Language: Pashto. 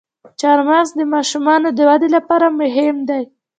چارمغز د ماشومانو د ودې لپاره مهم دی.